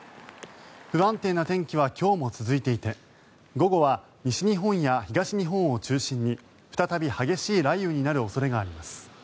不安定な天気は今日も続いていて午後は西日本や東日本を中心に再び激しい雷雨になる恐れがあります。